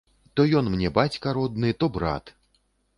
То ён мне бацька родны, то брат!